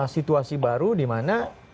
situasi baru di mana